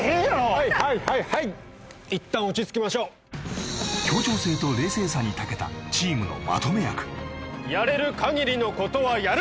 はいはいはいはいいったん落ち着きましょう協調性と冷静さに長けたチームのまとめ役やれる限りのことはやる